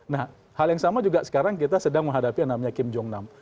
nah hal yang sama juga sekarang kita sedang menghadapi yang namanya kim jong nam